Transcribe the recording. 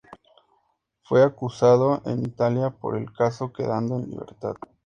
Fue acusado en Italia por el caso, quedando en libertad.